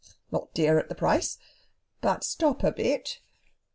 not dear at the price. But stop a bit!